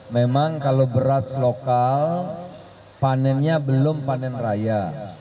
memang kalau beras lokal panennya belum panen raya